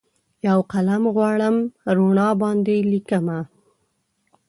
یوقلم غواړم روڼا باندې لیکمه